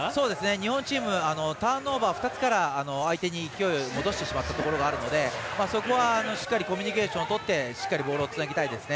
日本チームターンオーバー２つから相手に勢いを戻してしまったところがあるのでそこはしっかりコミュニケーションを取ってしっかりとボールをつなぎたいですね。